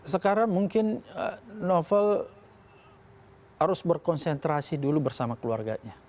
sekarang mungkin novel harus berkonsentrasi dulu bersama keluarganya